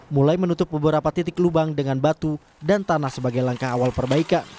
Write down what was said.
mulai menutup beberapa titik lubang dengan batu dan tanah sebagai langkah awal perbaikan